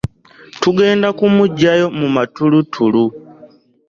Tugenda kumuggyayo mu matulutulu.